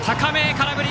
空振り！